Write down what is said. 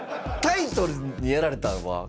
タイトルにやられたんわ。